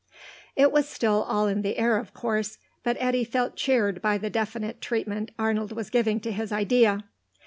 It was still all in the air, of course, but Eddy felt cheered by the definite treatment Arnold was giving to his idea.